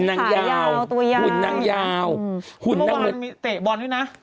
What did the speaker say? ถ่ายาวตัวยาวหุ่นนางยาวหุ่นนางแต่เบอร์นด้วยนะ